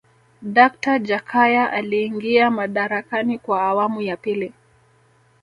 dakta jakaya aliingia madarakani kwa awamu ya pili